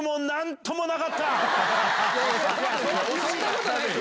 そんなことないです